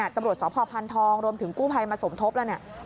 ตำรวจสพพันธองรวมถึงกู้ภัยมาสมทบแล้วเนี่ย